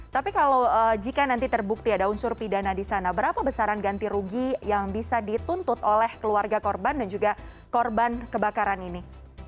tapi kalau jika nanti terbukti ada unsur pidana di sana berapa besaran ganti rugi yang bisa dituntut oleh keluarga korban dan juga korban kebakaran ini